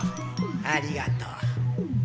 ありがとう。